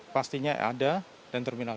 pastinya ada dan terminal